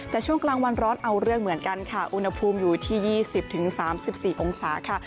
แต่ช่วงกลางวันร้อนเอาเรื่องเหมือนกันค่ะอุณหภูมิอยู่ที่๒๐๓๔องศาค่ะ